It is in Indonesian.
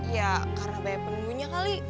ya karena banyak penemunya kali